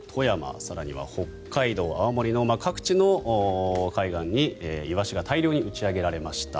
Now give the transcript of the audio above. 更には北海道、青森各地の海岸にイワシが大量に打ち上げられました。